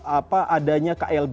apa adanya klb